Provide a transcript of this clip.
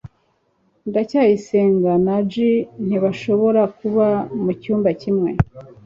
ndacyayisenga na j ntibashobora kuba mucyumba kimwe